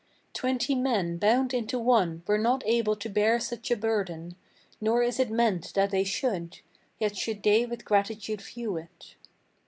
Twenty men bound into one were not able to bear such a burden; Nor is it meant that they should, yet should they with gratitude view it."